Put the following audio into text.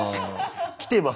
来てます